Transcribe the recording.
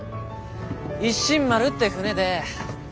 一進丸って船で。